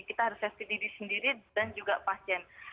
kita harus safety diri sendiri dan juga pasien